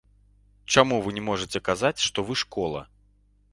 Чаму вы не можаце казаць, што вы школа?